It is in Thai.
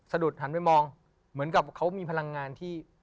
ดุดหันไปมองเหมือนกับเขามีพลังงานที่